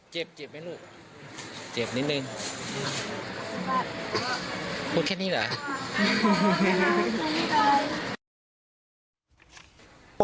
เจ็บเจ็บไหมลูกเจ็บนิดนึงพูดแค่นี้เหรอ